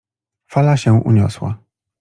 Fala się uniosła.